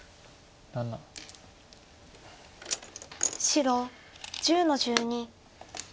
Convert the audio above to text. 白１０の十二。